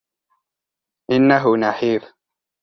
إنه نحيف.